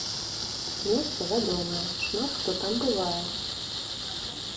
Месца вядомае, шмат хто там бывае.